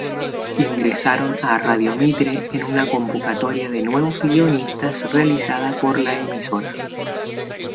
Ingresaron a Radio Mitre en una convocatoria de nuevos guionistas realizada por la emisora.